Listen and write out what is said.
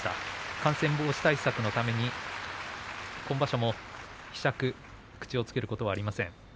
感染防止対策の中で今場所もひしゃく、口をつけることはありません。